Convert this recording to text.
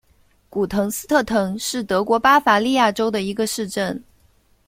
古滕斯特滕是德国巴伐利亚州的一个市镇。